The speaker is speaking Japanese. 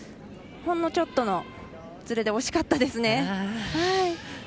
ほんのちょっとの、ずれで惜しかったですね。